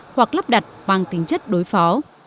hoặc lắp đặt bằng tính chất đối phó